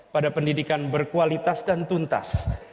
pada pendidikan berkualitas dan tuntas